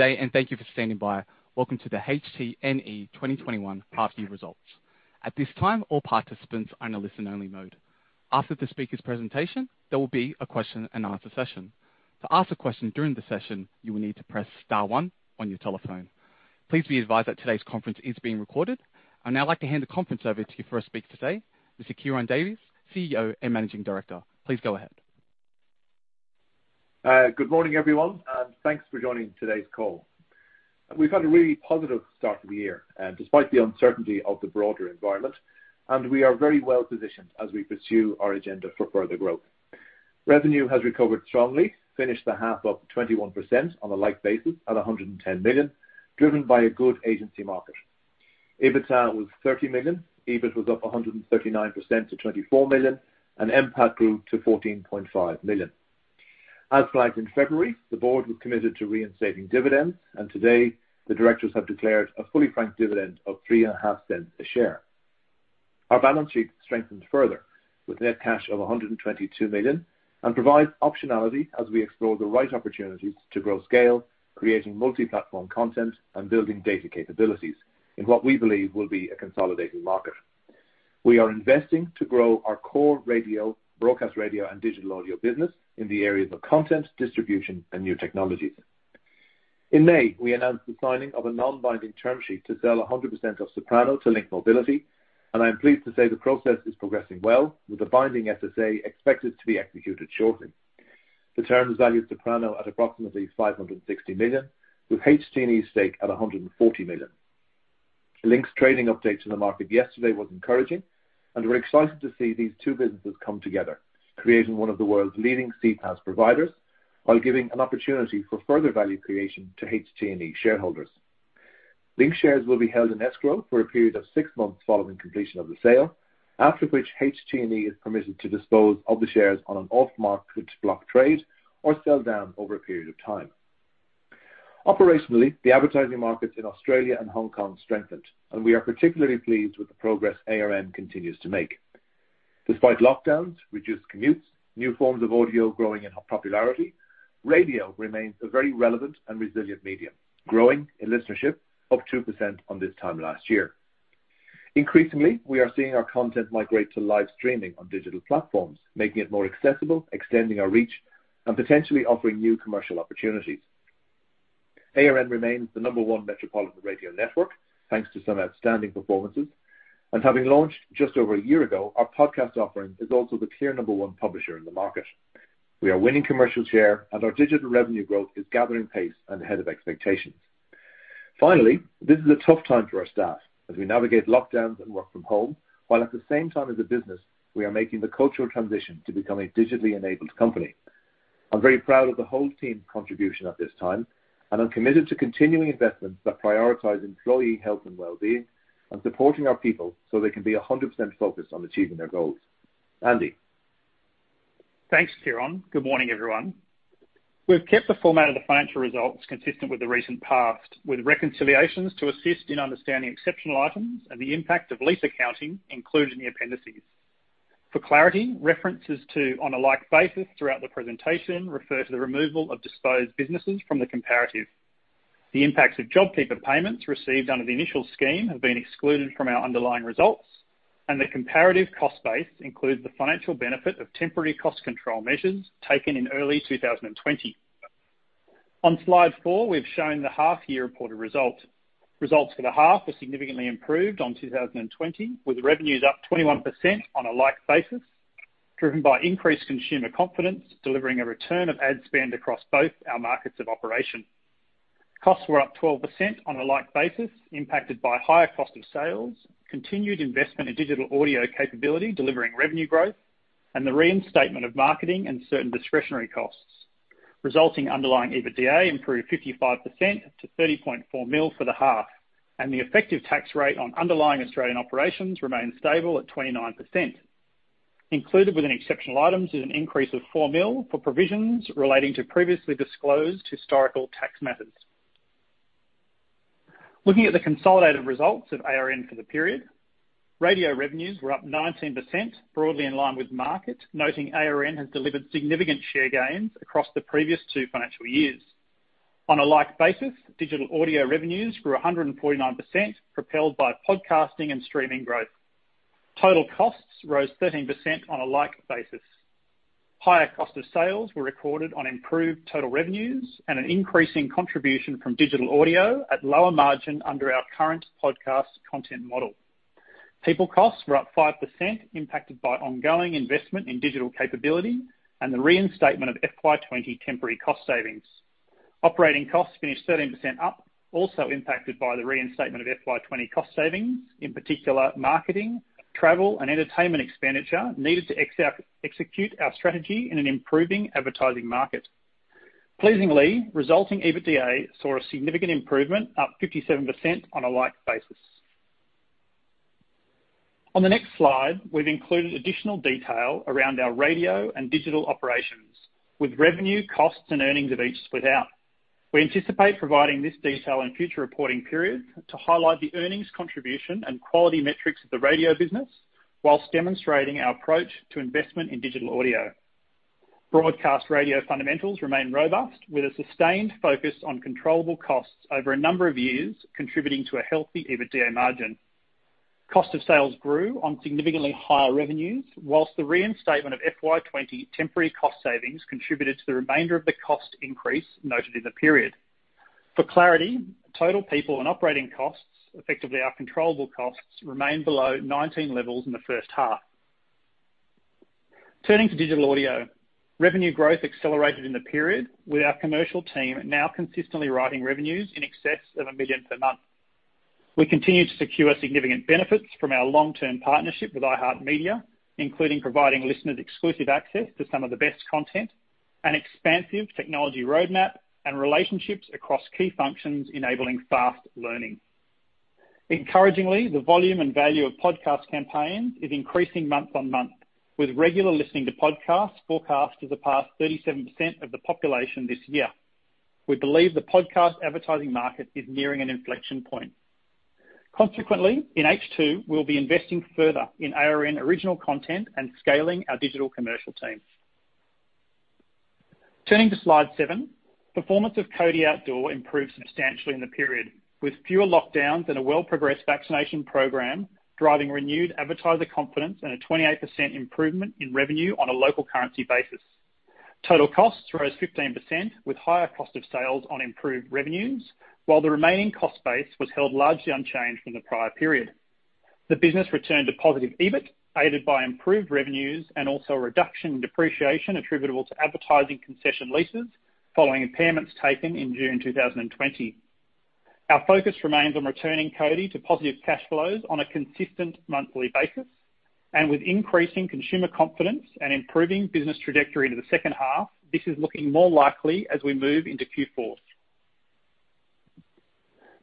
Good day, and thank you for standing by. Welcome to the HT&E 2021 half-year results. At this time, all participants are in a listen-only mode. After the speaker's presentation, there will be a question and answer session. To ask a question during the session, you will need to press star one on your telephone. Please be advised that today's conference is being recorded. I'd now like to hand the conference over to your first speaker today, Mr. Ciaran Davis, CEO and Managing Director. Please go ahead. Good morning, everyone, and thanks for joining today's call. We've had a really positive start to the year, despite the uncertainty of the broader environment, and we are very well-positioned as we pursue our agenda for further growth. Revenue has recovered strongly, finished the half up 21% on a like basis at 110 million, driven by a good agency market. EBITDA was 30 million. EBITDA was up 139% to 24 million, and NPAT grew to 14.5 million. As flagged in February, the board was committed to reinstating dividends, and today the directors have declared a fully franked dividend of three and a half cents a share. Our balance sheet strengthened further with net cash of 122 million, and provides optionality as we explore the right opportunities to grow scale, creating multi-platform content, and building data capabilities in what we believe will be a consolidating market. We are investing to grow our core radio, broadcast radio, and digital audio business in the areas of content, distribution, and new technologies. In May, we announced the signing of a non-binding term sheet to sell 100% of Soprano to Link Mobility. I'm pleased to say the process is progressing well with the binding SPA expected to be executed shortly. The terms value Soprano at approximately 560 million, with HT&E's stake at 140 million. Link's trading update to the market yesterday was encouraging. We're excited to see these two businesses come together, creating one of the world's leading CPaaS providers while giving an opportunity for further value creation to HT&E shareholders. Link shares will be held in escrow for a period of six months following completion of the sale, after which HT&E is permitted to dispose of the shares on an off-market block trade or sell down over a period of time. Operationally, the advertising markets in Australia and Hong Kong strengthened, and we are particularly pleased with the progress ARN continues to make. Despite lockdowns, reduced commutes, new forms of audio growing in popularity, radio remains a very relevant and resilient medium, growing in listenership up 2% on this time last year. Increasingly, we are seeing our content migrate to live streaming on digital platforms, making it more accessible, extending our reach, and potentially offering new commercial opportunities. ARN remains the number one metropolitan radio network, thanks to some outstanding performances, and having launched just over a year ago, our podcast offering is also the clear number one publisher in the market. We are winning commercial share, and our digital revenue growth is gathering pace and ahead of expectations. Finally, this is a tough time for our staff as we navigate lockdowns and work from home, while at the same time as a business, we are making the cultural transition to become a digitally enabled company. I'm very proud of the whole team's contribution at this time, and I'm committed to continuing investments that prioritize employee health and wellbeing and supporting our people so they can be 100% focused on achieving their goals. Andy? Thanks, Ciaran. Good morning, everyone. We've kept the format of the financial results consistent with the recent past, with reconciliations to assist in understanding exceptional items and the impact of lease accounting included in the appendices. For clarity, references to on a like basis throughout the presentation refer to the removal of disposed businesses from the comparative. The impacts of JobKeeper payments received under the initial scheme have been excluded from our underlying results, and the comparative cost base includes the financial benefit of temporary cost control measures taken in early 2020. On slide four, we've shown the half-year reported results. Results for the half were significantly improved on 2020, with revenues up 21% on a like basis, driven by increased consumer confidence, delivering a return of ad spend across both our markets of operation. Costs were up 12% on a like basis, impacted by higher cost of sales, continued investment in digital audio capability, delivering revenue growth, and the reinstatement of marketing and certain discretionary costs. Resulting underlying EBITDA improved 55% to 30.4 million for the half, and the effective tax rate on underlying Australian operations remained stable at 29%. Included within exceptional items is an increase of 4 million for provisions relating to previously disclosed historical tax matters. Looking at the consolidated results of ARN for the period, radio revenues were up 19%, broadly in line with market, noting ARN has delivered significant share gains across the previous two financial years. On a like basis, digital audio revenues grew 149%, propelled by podcasting and streaming growth. Total costs rose 13% on a like basis. Higher cost of sales were recorded on improved total revenues and an increase in contribution from digital audio at lower margin under our current podcast content model. People costs were up 5%, impacted by ongoing investment in digital capability and the reinstatement of FY 2020 temporary cost savings. Operating costs finished 13% up, also impacted by the reinstatement of FY 2020 cost savings, in particular, marketing, travel, and entertainment expenditure needed to execute our strategy in an improving advertising market. Pleasingly, resulting EBITDA saw a significant improvement, up 57% on a like basis. On the next slide, we've included additional detail around our radio and digital operations, with revenue, costs, and earnings of each split out. We anticipate providing this detail in future reporting periods to highlight the earnings contribution and quality metrics of the radio business whilst demonstrating our approach to investment in digital audio. Broadcast radio fundamentals remain robust with a sustained focus on controllable costs over a number of years, contributing to a healthy EBITDA margin. Cost of sales grew on significantly higher revenues, whilst the reinstatement of FY 2020 temporary cost savings contributed to the remainder of the cost increase noted in the period. For clarity, total people and operating costs, effectively our controllable costs, remain below 2019 levels in the first half. Turning to digital audio. Revenue growth accelerated in the period, with our commercial team now consistently writing revenues in excess of 1 million per month. We continue to secure significant benefits from our long-term partnership with iHeartMedia, including providing listeners exclusive access to some of the best content, an expansive technology roadmap, and relationships across key functions enabling fast learning. Encouragingly, the volume and value of podcast campaigns is increasing month on month, with regular listening to podcasts forecast to surpass 37% of the population this year. We believe the podcast advertising market is nearing an inflection point. Consequently, in H2, we'll be investing further in ARN original content and scaling our digital commercial team. Turning to slide seven, performance of Cody Outdoor improved substantially in the period, with fewer lockdowns and a well-progressed vaccination program driving renewed advertiser confidence and a 28% improvement in revenue on a local currency basis. Total costs rose 15%, with higher cost of sales on improved revenues, while the remaining cost base was held largely unchanged from the prior period. The business returned to positive EBITDA, aided by improved revenues and also a reduction in depreciation attributable to advertising concession leases following impairments taken in June 2020. Our focus remains on returning Cody to positive cash flows on a consistent monthly basis, and with increasing consumer confidence and improving business trajectory into the second half, this is looking more likely as we move into Q4.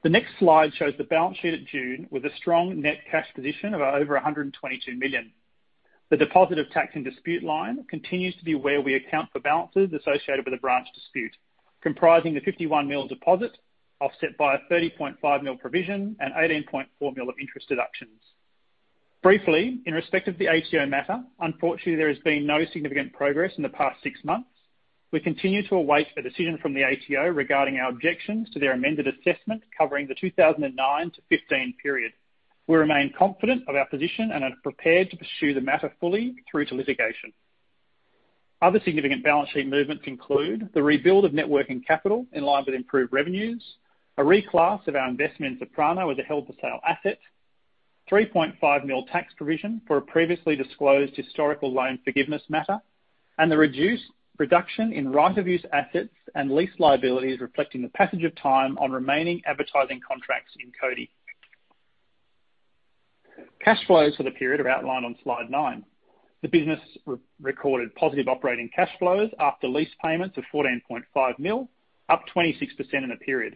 The next slide shows the balance sheet at June, with a strong net cash position of over 122 million. The deposit of tax in dispute line continues to be where we account for balances associated with a branch dispute, comprising the 51 million deposit offset by a 30.5 mil provision and 18.4 million of interest deductions. Briefly, in respect of the ATO matter, unfortunately, there has been no significant progress in the past six months. We continue to await a decision from the ATO regarding our objections to their amended assessment covering the 2009 to 2015 period. We remain confident of our position and are prepared to pursue the matter fully through to litigation. Other significant balance sheet movements include the rebuild of net working capital in line with improved revenues, a reclass of our investment in Soprano as a held-for-sale asset, 3.5 million tax provision for a previously disclosed historical loan forgiveness matter, and the reduction in right-of-use assets and lease liabilities, reflecting the passage of time on remaining advertising contracts in Cody. Cash flows for the period are outlined on slide nine. The business recorded positive operating cash flows after lease payments of 14.5 million, up 26% in the period.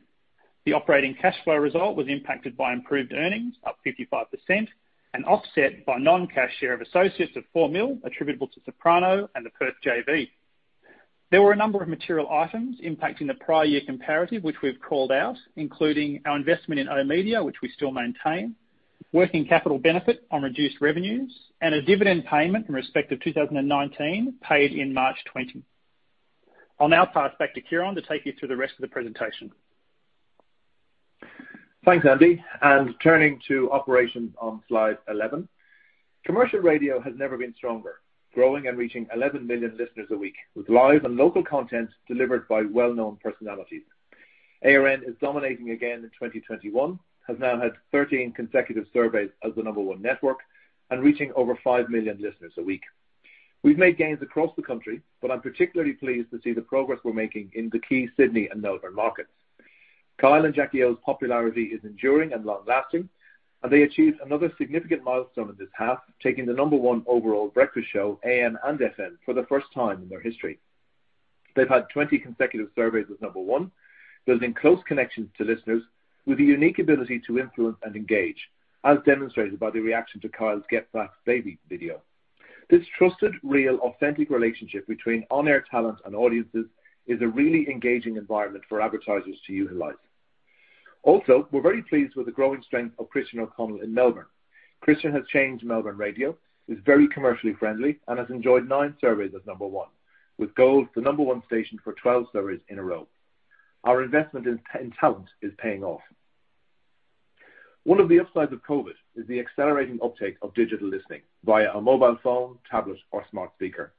The operating cash flow result was impacted by improved earnings up 55% and offset by non-cash share of associates of 4 million attributable to Soprano and the Perth JV. There were a number of material items impacting the prior year comparative, which we've called out, including our investment in oOh!media, which we still maintain, working capital benefit on reduced revenues, and a dividend payment in respect of 2019 paid in March 2020. I'll now pass back to Ciaran to take you through the rest of the presentation. Thanks, Andy, and turning to operations on slide 11. Commercial radio has never been stronger, growing and reaching 11 million listeners a week with live and local content delivered by well-known personalities. ARN is dominating again in 2021, has now had 13 consecutive surveys as the number one network and reaching over 5 million listeners a week. We've made gains across the country, but I'm particularly pleased to see the progress we're making in the key Sydney and Melbourne markets. Kyle and Jackie O's popularity is enduring and long-lasting, and they achieved another significant milestone in this half, taking the number one overall breakfast show, AM and FM, for the first time in their history. They've had 20 consecutive surveys as number one, building close connections to listeners with a unique ability to influence and engage, as demonstrated by the reaction to Kyle's "Get Vaxxed Baby" video. This trusted, real, authentic relationship between on-air talent and audiences is a really engaging environment for advertisers to utilize. Also, we're very pleased with the growing strength of Christian O'Connell in Melbourne. Christian has changed Melbourne Radio, is very commercially friendly, and has enjoyed nine surveys as number one, with Gold the number one station for 12 surveys in a row. Our investment in talent is paying off. One of the upsides of COVID is the accelerating uptake of digital listening via a mobile phone, tablet, or smart speaker.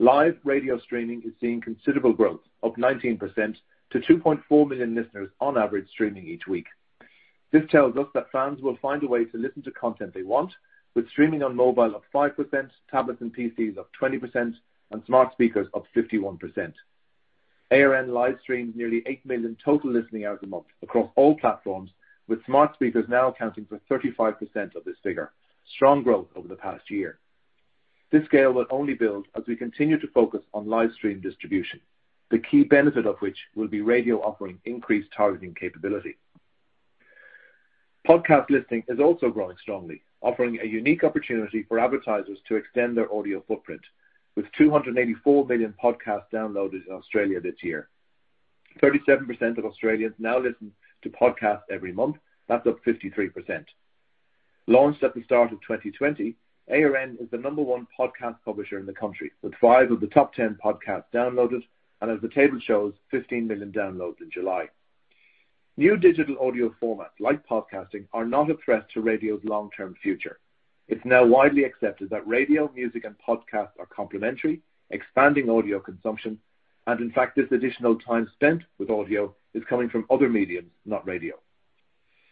Live radio streaming is seeing considerable growth, up 19% to 2.4 million listeners on average streaming each week. This tells us that fans will find a way to listen to content they want, with streaming on mobile up 5%, tablets and PCs up 20%, and smart speakers up 51%. ARN live streams nearly 8 million total listening hours a month across all platforms, with smart speakers now accounting for 35% of this figure. Strong growth over the past year. This scale will only build as we continue to focus on live stream distribution, the key benefit of which will be radio offering increased targeting capability. Podcast listening has also grown strongly, offering a unique opportunity for advertisers to extend their audio footprint. With 284 million podcasts downloaded in Australia this year, 37% of Australians now listen to podcasts every month. That's up 53%. Launched at the start of 2020, ARN is the number one podcast publisher in the country, with five of the top 10 podcasts downloaded, and as the table shows, 15 million downloads in July. New digital audio formats like podcasting are not a threat to radio's long-term future. It's now widely accepted that radio, music, and podcasts are complementary, expanding audio consumption, and in fact, this additional time spent with audio is coming from other mediums, not radio.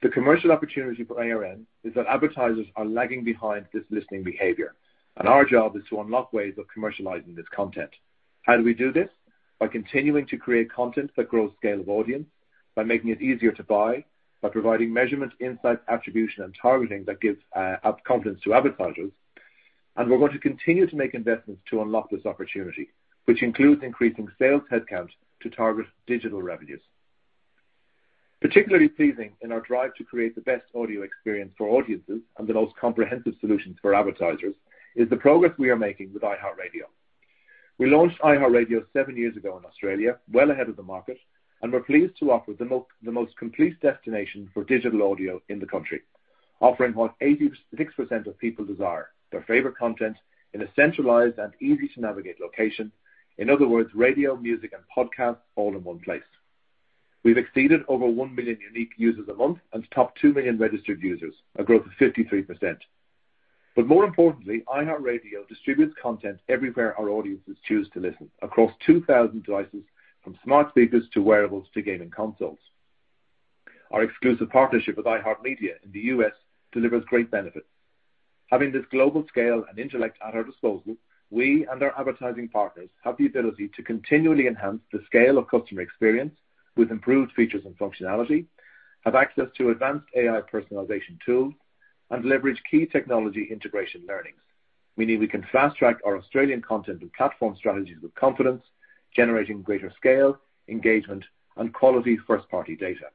The commercial opportunity for ARN is that advertisers are lagging behind this listening behavior, and our job is to unlock ways of commercializing this content. How do we do this? By continuing to create content that grows scale of audience, by making it easier to buy, by providing measurement, insight, attribution, and targeting that gives confidence to advertisers, and we're going to continue to make investments to unlock this opportunity, which includes increasing sales headcount to target digital revenues. Particularly pleasing in our drive to create the best audio experience for audiences and the most comprehensive solutions for advertisers, is the progress we are making with iHeartRadio. We launched iHeartRadio seven years ago in Australia, well ahead of the market, and we're pleased to offer the most complete destination for digital audio in the country. Offering what 86% of people desire, their favorite content in a centralized and easy-to-navigate location. In other words, radio, music, and podcasts all in one place. We've exceeded over 1 million unique users a month and top 2 million registered users, a growth of 53%. More importantly, iHeartRadio distributes content everywhere our audiences choose to listen. Across 2,000 devices, from smart speakers to wearables to gaming consoles. Our exclusive partnership with iHeartMedia in the U.S. delivers great benefits. Having this global scale and intellect at our disposal, we and our advertising partners have the ability to continually enhance the scale of customer experience with improved features and functionality, have access to advanced AI personalization tools, and leverage key technology integration learnings, meaning we can fast-track our Australian content and platform strategies with confidence, generating greater scale, engagement, and quality first-party data.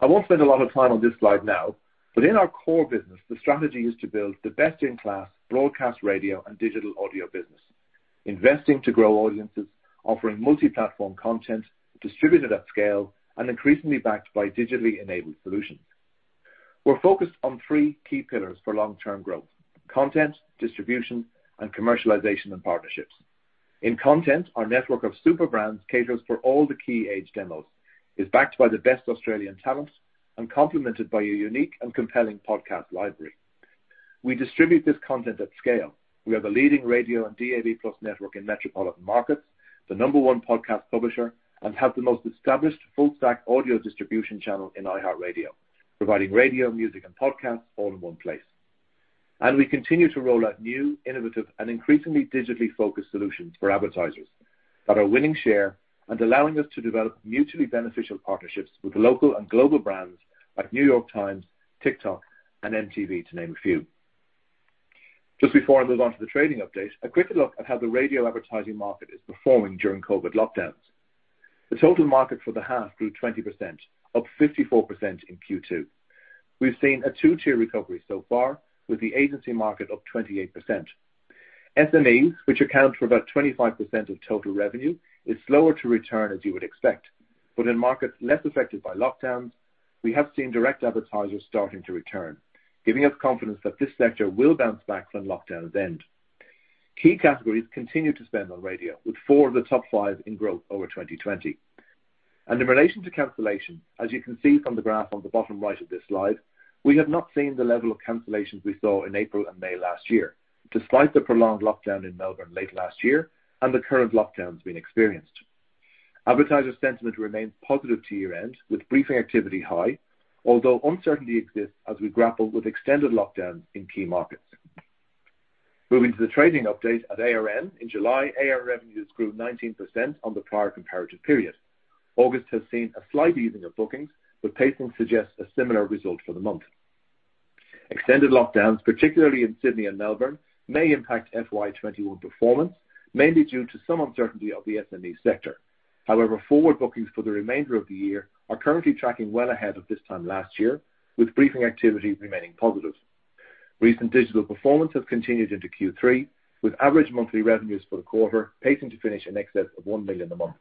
I won't spend a lot of time on this slide now, but in our core business, the strategy is to build the best-in-class broadcast radio and digital audio business, investing to grow audiences, offering multi-platform content distributed at scale, and increasingly backed by digitally-enabled solutions. We're focused on three key pillars for long-term growth, content, distribution, and commercialization and partnerships. In content, our network of super brands caters for all the key age demos, is backed by the best Australian talent, and complemented by a unique and compelling podcast library. We distribute this content at scale. We are the leading radio and DAB+ network in metropolitan markets, the number one podcast publisher, and have the most established full-stack audio distribution channel in iHeartRadio, providing radio, music, and podcasts all in one place. We continue to roll out new, innovative, and increasingly digitally-focused solutions for advertisers that are winning share and allowing us to develop mutually beneficial partnerships with local and global brands like The New York Times, TikTok, and MTV, to name a few. Just before I move on to the trading update, a quick look at how the radio advertising market is performing during COVID lockdowns. The total market for the half grew 20%, up 54% in Q2. We've seen a two-tier recovery so far, with the agency market up 28%. SMEs, which account for about 25% of total revenue, is slower to return as you would expect. In markets less affected by lockdowns, we have seen direct advertisers starting to return, giving us confidence that this sector will bounce back when lockdowns end. Key categories continue to spend on radio, with four of the top five in growth over 2020. In relation to cancellation, as you can see from the graph on the bottom right of this slide, we have not seen the level of cancellations we saw in April and May last year, despite the prolonged lockdown in Melbourne late last year and the current lockdowns being experienced. Advertiser sentiment remained positive to year-end, with briefing activity high, although uncertainty exists as we grapple with extended lockdowns in key markets. Moving to the trading update at ARN. In July, ARN revenues grew 19% on the prior comparative period. August has seen a slight easing of bookings, but pacing suggests a similar result for the month. Extended lockdowns, particularly in Sydney and Melbourne, may impact FY 2021 performance, mainly due to some uncertainty of the SME sector. Forward bookings for the remainder of the year are currently tracking well ahead of this time last year, with briefing activity remaining positive. Recent digital performance has continued into Q3, with average monthly revenues for the quarter pacing to finish in excess of 1 million a month.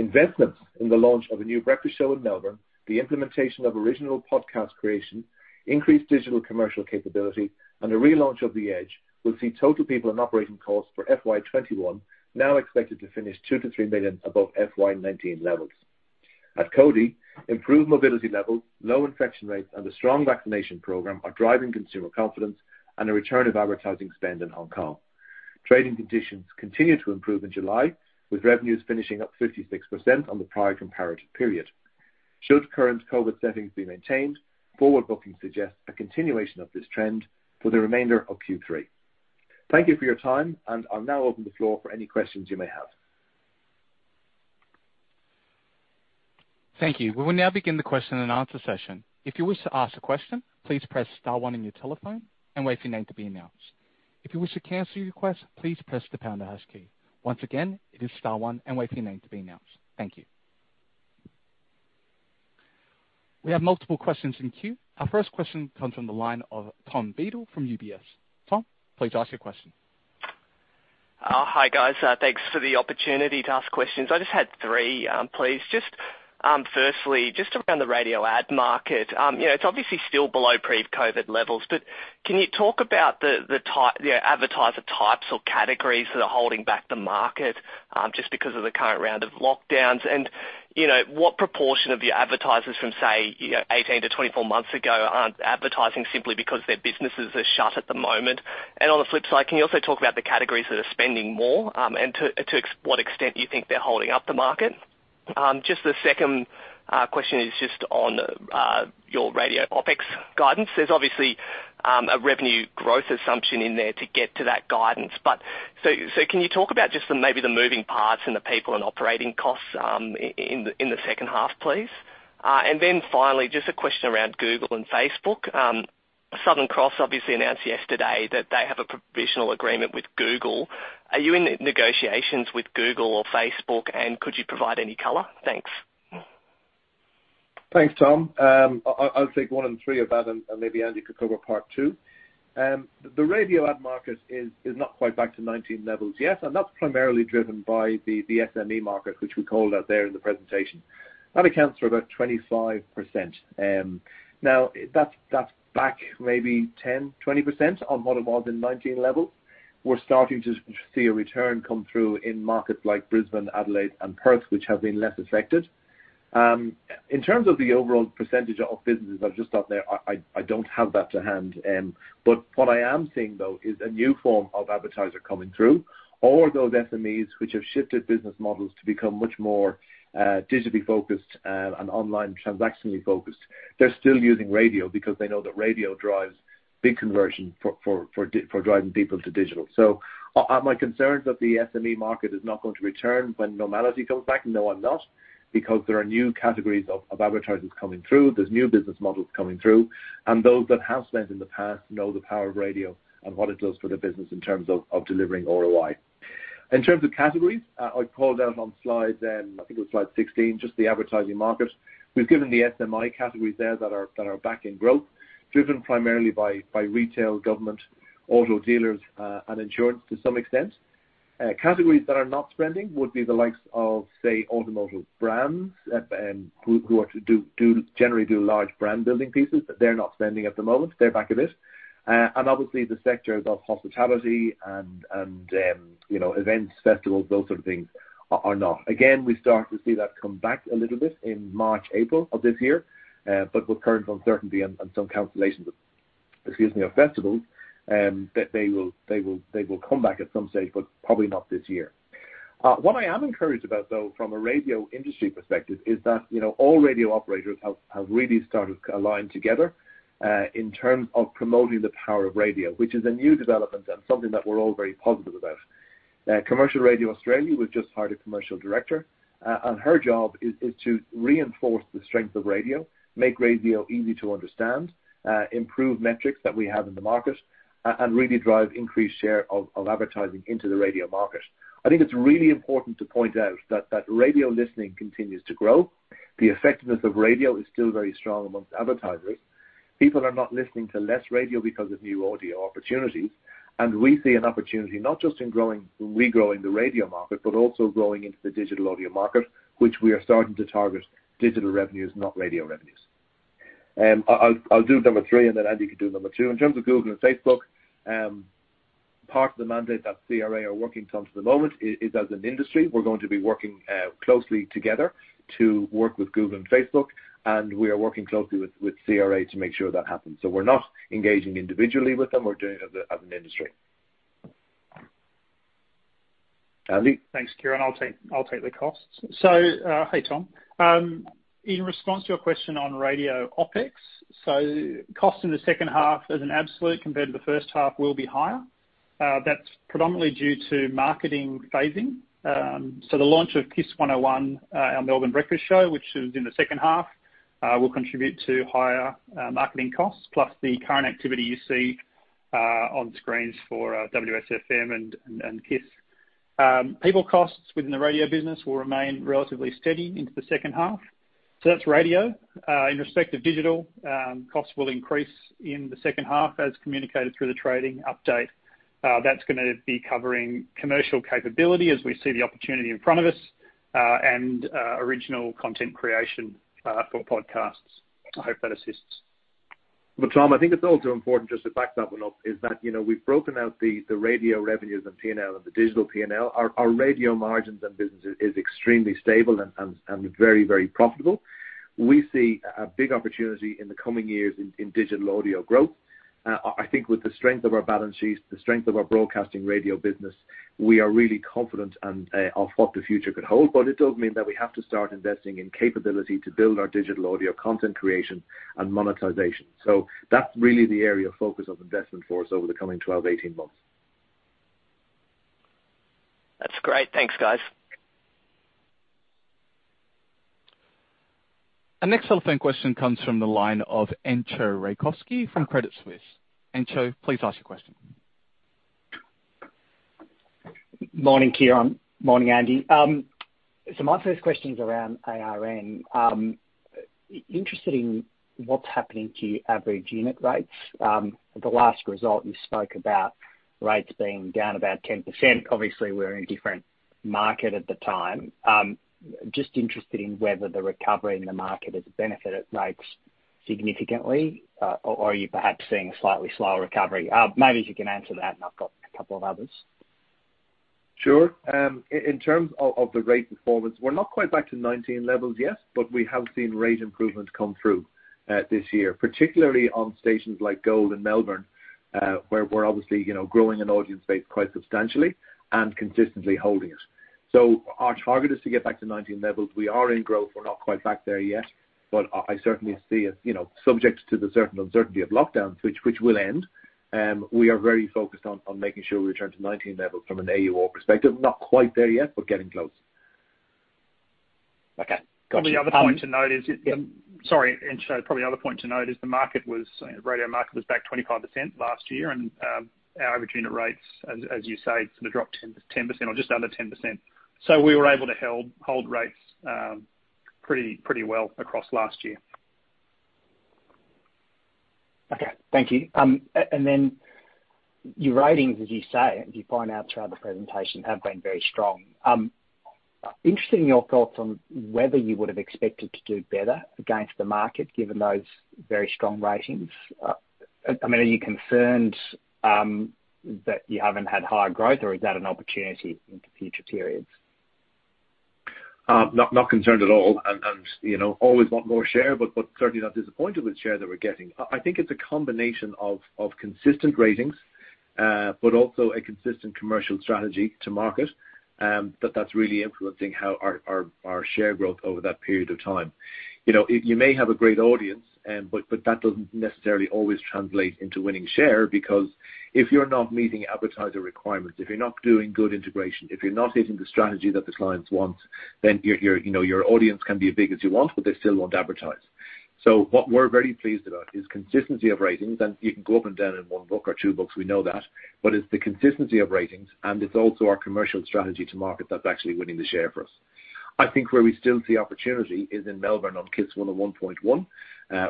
Investments in the launch of a new breakfast show in Melbourne, the implementation of original podcast creation, increased digital commercial capability, and a relaunch of The Edge will see total people and operating costs for FY 2021 now expected to finish 2 million-3 million above FY 2019 levels. At Cody, improved mobility levels, low infection rates, and a strong vaccination program are driving consumer confidence and a return of advertising spend in Hong Kong. Trading conditions continued to improve in July, with revenues finishing up 56% on the prior comparative period. Should current COVID settings be maintained, forward booking suggests a continuation of this trend for the remainder of Q3. Thank you for your time, and I'll now open the floor for any questions you may have. Thank you. We will now begin the question and answer session. Thank you. We have multiple questions in queue. Our first question comes on the line of Tom Beadle from UBS. Tom, please ask your question Hi guys. Thanks for the opportunity to ask questions. I just had three, please. Firstly, around the radio ad market. It's obviously still below pre-COVID levels. Can you talk about the advertiser types or categories that are holding back the market because of the current round of lockdowns? What proportion of your advertisers from, say, 18 to 24 months ago aren't advertising simply because their businesses are shut at the moment? On the flip side, can you also talk about the categories that are spending more, and to what extent you think they're holding up the market? The second question is on your radio OpEx guidance. There's obviously a revenue growth assumption in there to get to that guidance. Can you talk about maybe the moving parts and the people and operating costs in the second half, please? Finally, just a question around Google and Facebook. Southern Cross obviously announced yesterday that they have a provisional agreement with Google. Are you in negotiations with Google or Facebook, and could you provide any color? Thanks. Thanks, Tom. I'll take one and three of that, and maybe Andy could cover part two. The radio ad market is not quite back to 2019 levels yet, and that's primarily driven by the SME market, which we called out there in the presentation. That accounts for about 25%. Now, that's back maybe 10%, 20% on what it was in 2019 levels. We're starting to see a return come through in markets like Brisbane, Adelaide, and Perth, which have been less affected. In terms of the overall percentage of businesses, I've just got there, I don't have that to hand. What I am seeing, though, is a new form of advertiser coming through. All those SMEs which have shifted business models to become much more digitally focused and online transactionally focused, they're still using radio because they know that radio drives big conversion for driving people to digital. Are my concerns that the SME market is not going to return when normality comes back? No, I'm not, because there are new categories of advertisers coming through. There's new business models coming through, and those that have spent in the past know the power of radio and what it does for the business in terms of delivering ROI. In terms of categories, I called out on slide, I think it was slide 16, just the advertising market. We've given the SMI categories there that are back in growth, driven primarily by retail, government, auto dealers, and insurance to some extent. Categories that are not spending would be the likes of, say, automotive brands who generally do large brand-building pieces, but they're not spending at the moment. They're back a bit. Obviously the sectors of hospitality and events, festivals, those sort of things are not. We start to see that come back a little bit in March, April of this year. With current uncertainty and some cancellations, excuse me, of festivals, they will come back at some stage, but probably not this year. I am encouraged about, though, from a radio industry perspective is that all radio operators have really started aligning together in terms of promoting the power of radio, which is a new development and something that we're all very positive about. Commercial Radio Australia, we've just hired a commercial director. Her job is to reinforce the strength of radio, make radio easy to understand, improve metrics that we have in the market, and really drive increased share of advertising into the radio market. I think it's really important to point out that radio listening continues to grow. The effectiveness of radio is still very strong among advertisers. People are not listening to less radio because of new audio opportunities. We see an opportunity not just in regrowing the radio market, but also growing into the digital audio market, which we are starting to target digital revenues, not radio revenues. I'll do number three, and then Andy can do number two. In terms of Google and Facebook, part of the mandate that CRA are working towards at the moment is, as an industry, we're going to be working closely together to work with Google and Facebook, and we are working closely with CRA to make sure that happens. We're not engaging individually with them. We're doing it as an industry. Andy? Thanks, Ciaran. I'll take the costs. Hey, Tom. In response to your question on radio OpEx, cost in the second half as an absolute compared to the first half will be higher. That's predominantly due to marketing phasing. The launch of KIIS 101.1, our Melbourne breakfast show, which is in the second half, will contribute to higher marketing costs, plus the current activity you see on screens for WSFM and KIIS. People costs within the radio business will remain relatively steady into the second half. That's radio. In respect of digital, costs will increase in the second half as communicated through the trading update. That's going to be covering commercial capability as we see the opportunity in front of us, and original content creation for podcasts. I hope that assists. Tom, I think it's also important just to back that one up is that we've broken out the radio revenues and P&L and the digital P&L. Our radio margins and business is extremely stable and very profitable. We see a big opportunity in the coming years in digital audio growth. I think with the strength of our balance sheets, the strength of our broadcasting radio business, we are really confident of what the future could hold. It does mean that we have to start investing in capability to build our digital audio content creation and monetization. That's really the area of focus of investment for us over the coming 12, 18 months. That's great. Thanks, guys. Our next telephone question comes from the line of Entcho Raykovski from Credit Suisse. Enzo, please ask your question. Morning, Ciaran. Morning, Andy. My first question is around ARN. I'm interested in what's happening to your average unit rates. At the last result, you spoke about rates being down about 10%. Obviously, we're in a different market at the time. Just interested in whether the recovery in the market has benefited rates significantly, or are you perhaps seeing a slightly slower recovery? Maybe if you can answer that, and I've got a couple of others. Sure. In terms of the rate performance, we are not quite back to 2019 levels yet, but we have seen rate improvements come through this year, particularly on stations like Gold and Melbourne, where we are obviously growing an audience base quite substantially and consistently holding it. Our target is to get back to 2019 levels. We are in growth. We are not quite back there yet, but I certainly see it, subject to the certain uncertainty of lockdowns, which will end. We are very focused on making sure we return to 2019 levels from an AUR perspective. Not quite there yet. Getting close. Okay. Gotcha. Probably the other point to note is. Yeah. Sorry, Entcho. Probably the other point to note is the radio market was back 25% last year, our average unit rates, as you say, sort of dropped 10% or just under 10%. We were able to hold rates pretty well across last year. Okay. Thank you. Your ratings, as you say, as you point out throughout the presentation, have been very strong. Interested in your thoughts on whether you would've expected to do better against the market, given those very strong ratings? Are you concerned that you haven't had higher growth, or is that an opportunity into future periods? Not concerned at all, and always want more share, but certainly not disappointed with share that we're getting. I think it's a combination of consistent ratings, but also a consistent commercial strategy to market that's really influencing our share growth over that period of time. You may have a great audience, but that doesn't necessarily always translate into winning share because if you're not meeting advertiser requirements, if you're not doing good integration, if you're not hitting the strategy that the clients want, then your audience can be as big as you want, but they still won't advertise. What we're very pleased about is consistency of ratings, and you can go up and down in one book or two books, we know that. It's the consistency of ratings, and it's also our commercial strategy to market that's actually winning the share for us. I think where we still see opportunity is in Melbourne on KIIS 101.1,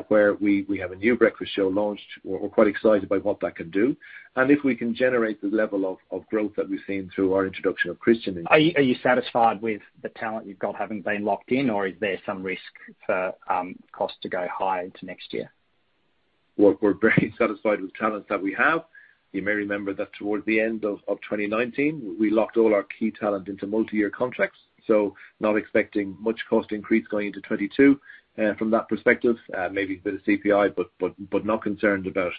where we have a new breakfast show launched. We're quite excited by what that can do. If we can generate the level of growth that we've seen through our introduction of Christian- Are you satisfied with the talent you've got having been locked in, or is there some risk for cost to go higher into next year? We're very satisfied with the talent that we have. You may remember that towards the end of 2019, we locked all our key talent into multi-year contracts, so not expecting much cost increase going into 2022 from that perspective. Maybe a bit of CPI, but not concerned about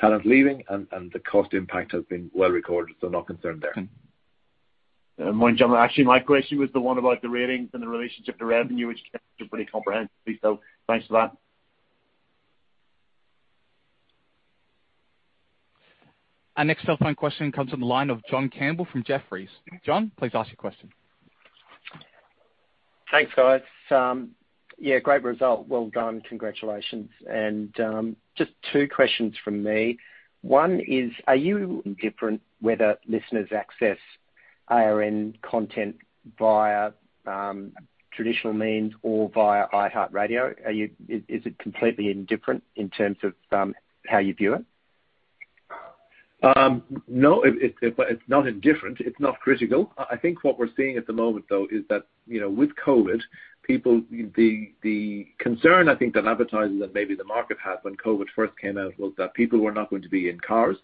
talent leaving, and the cost impact has been well recorded, so not concerned there. Morning, gentlemen. Actually, my question was the one about the ratings and the relationship to revenue, which you answered pretty comprehensively, so thanks for that. Our next telephone question comes from the line of John Campbell from Jefferies. John, please ask your question. Thanks, guys. Yeah, great result. Well done. Congratulations. Just two questions from me. One is, are you indifferent whether listeners access ARN content via traditional means or via iHeartRadio? Is it completely indifferent in terms of how you view it? No, it's not indifferent. It's not critical. I think what we're seeing at the moment, though, is that with COVID, the concern I think that advertisers and maybe the market had when COVID first came out was that people were not going to be in cars,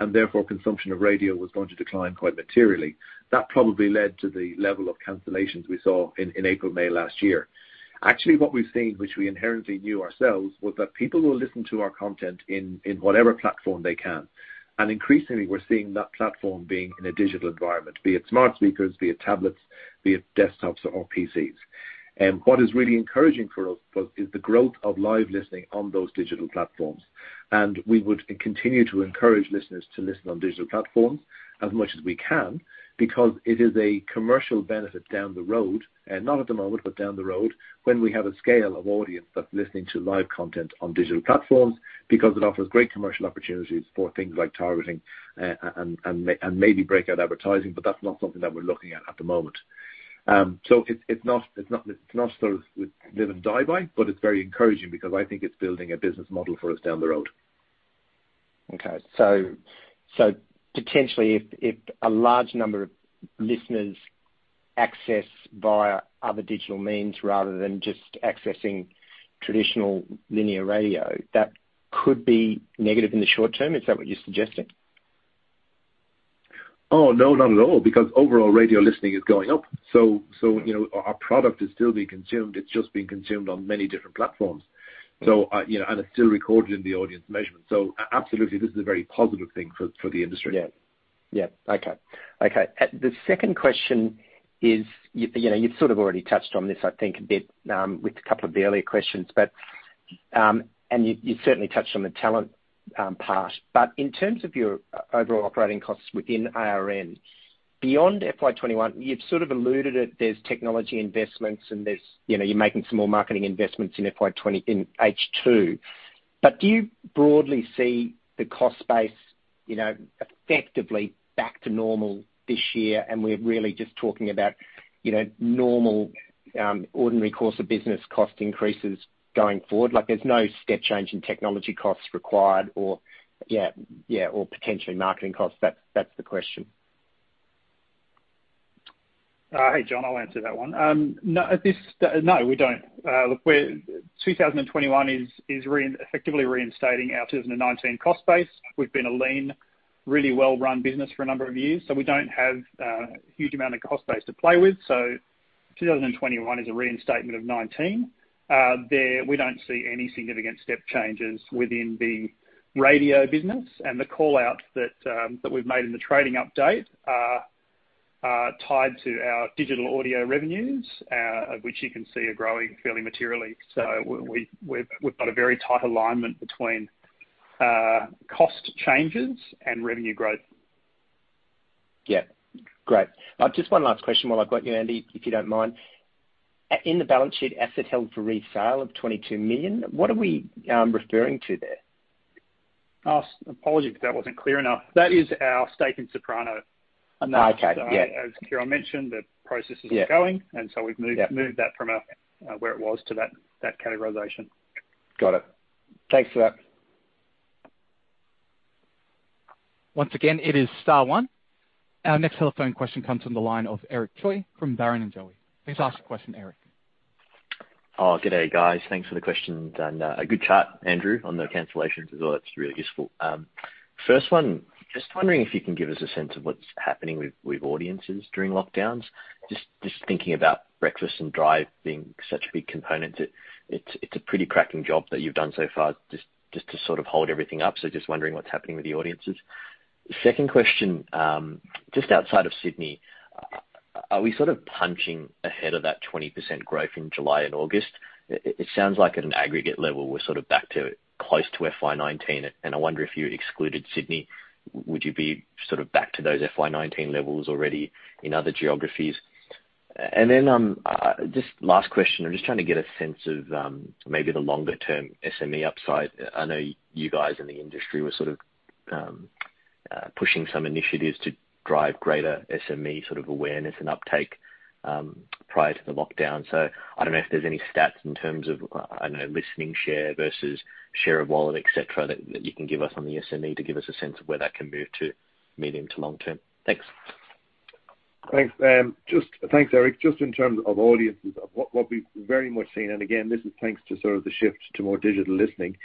and therefore consumption of radio was going to decline quite materially. That probably led to the level of cancellations we saw in April, May last year. Actually, what we've seen, which we inherently knew ourselves, was that people will listen to our content in whatever platform they can. Increasingly, we're seeing that platform being in a digital environment, be it smart speakers, be it tablets, be it desktops or PCs. What is really encouraging for us is the growth of live listening on those digital platforms. We would continue to encourage listeners to listen on digital platforms as much as we can because it is a commercial benefit down the road. Not at the moment, but down the road, when we have a scale of audience that's listening to live content on digital platforms because it offers great commercial opportunities for things like targeting and maybe breakout advertising. That's not something that we're looking at at the moment. It's not sort of live and die by, but it's very encouraging because I think it's building a business model for us down the road. Okay. Potentially if a large number of listeners access via other digital means rather than just accessing traditional linear radio, that could be negative in the short term. Is that what you're suggesting? Oh, no. Not at all because overall radio listening is going up. Our product is still being consumed. It's just being consumed on many different platforms. It's still recorded in the audience measurement. Absolutely, this is a very positive thing for the industry. Yeah. Okay. The second question is, you've sort of already touched on this, I think, a bit with a couple of the earlier questions, and you certainly touched on the talent part. In terms of your overall operating costs within ARN, beyond FY 2021, you've sort of alluded that there's technology investments, and you're making some more marketing investments in H2. Do you broadly see the cost base effectively back to normal this year, and we're really just talking about normal, ordinary course of business cost increases going forward? Like there's no step change in technology costs required or potentially marketing costs. That's the question. Hey, John, I'll answer that one. No, we don't. Look, 2021 is effectively reinstating our 2019 cost base. We've been a lean, really well-run business for a number of years, so we don't have a huge amount of cost base to play with. 2021 is a reinstatement of 2019. We don't see any significant step changes within the radio business, and the call-outs that we've made in the trading update are tied to our digital audio revenues, which you can see are growing fairly materially. We've got a very tight alignment between cost changes and revenue growth. Yeah. Great. Just one last question while I've got you, Andy, if you don't mind. In the balance sheet asset held for resale of 22 million, what are we referring to there? Apologies if that wasn't clear enough. That is our stake in Soprano. Okay. Yeah. As Ciaran mentioned, the process is ongoing. Yeah We've moved that from where it was to that categorization. Got it. Thanks for that. Once again, it is star one. Our next telephone question comes from the line of Eric Choi from Barrenjoey. Please ask your question, Eric. Good day, guys. Thanks for the questions, and a good chat, Andrew, on the cancellations as well. That's really useful. First one, just wondering if you can give us a sense of what's happening with audiences during lockdowns. Just thinking about breakfast and drive being such a big component, it's a pretty cracking job that you've done so far just to sort of hold everything up. Just wondering what's happening with the audiences. Second question, just outside of Sydney, are we sort of punching ahead of that 20% growth in July and August? It sounds like at an aggregate level, we're sort of back to close to FY 2019, and I wonder if you excluded Sydney, would you be sort of back to those FY 2019 levels already in other geographies? Just last question, I'm just trying to get a sense of maybe the longer-term SME upside. I know you guys in the industry were sort of pushing some initiatives to drive greater SME sort of awareness and uptake prior to the lockdown. I don't know if there's any stats in terms of, I don't know, listening share versus share of wallet, et cetera, that you can give us on the SME to give us a sense of where that can move to medium to long term. Thanks. Thanks. Thanks, Eric. Just in terms of audiences, what we've very much seen, and again, this is thanks to sort of the shift to more digital listening,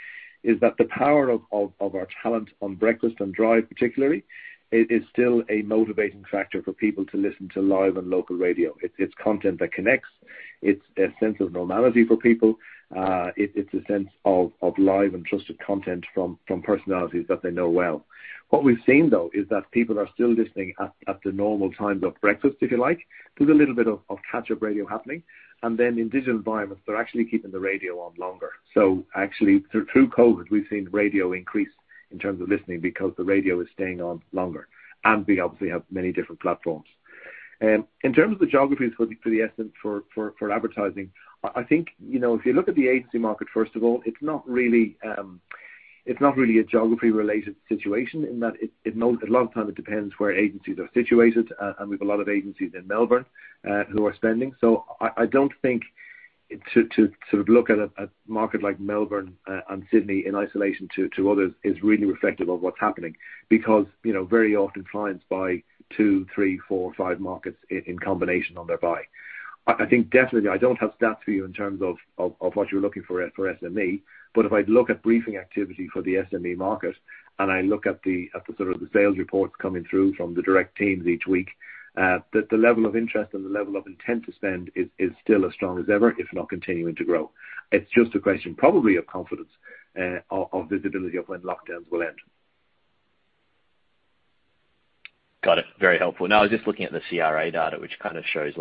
is that the power of our talent on breakfast and drive particularly, it is still a motivating factor for people to listen to live and local radio. It's content that connects. It's a sense of normality for people. It's a sense of live and trusted content from personalities that they know well. What we've seen, though, is that people are still listening at the normal times of breakfast, if you like. There's a little bit of catch-up radio happening. In digital environments, they're actually keeping the radio on longer. Through COVID, we've seen radio increase in terms of listening because the radio is staying on longer, and we obviously have many different platforms. In terms of the geographies for the SME for advertising, I think if you look at the agency market, first of all, it's not really a geography-related situation in that a lot of time it depends where agencies are situated, and we've a lot of agencies in Melbourne who are spending. I don't think to sort of look at a market like Melbourne and Sydney in isolation to others is really reflective of what's happening. Very often clients buy two, three, four, five markets in combination on their buy. I think definitely I don't have stats for you in terms of what you're looking for SME, but if I look at briefing activity for the SME market, and I look at the sort of the sales reports coming through from the direct teams each week, that the level of interest and the level of intent to spend is still as strong as ever, if not continuing to grow. It's just a question probably of confidence, of visibility of when lockdowns will end. Got it. Very helpful. I was just looking at the CRA data, which kind of shows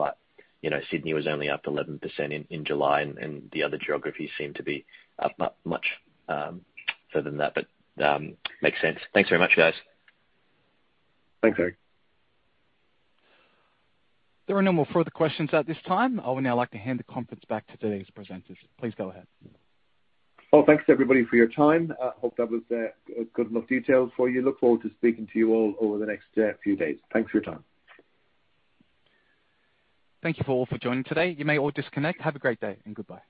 Sydney was only up 11% in July. The other geographies seem to be up much further than that. Makes sense. Thanks very much, guys. Thanks, Eric. There are no more further questions at this time. I would now like to hand the conference back to today's presenters. Please go ahead. Thanks everybody for your time. Hope that was good enough details for you. Look forward to speaking to you all over the next few days. Thanks for your time. Thank you for all for joining today. You may all disconnect. Have a great day, and goodbye.